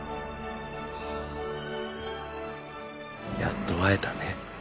やっと会えたね。